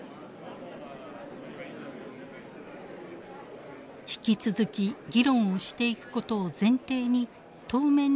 引き続き議論をしていくことを前提に当面の合意にこぎ着けたのです。